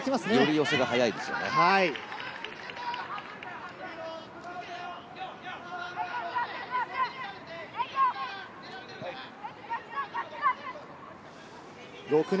寄せが速いですよね。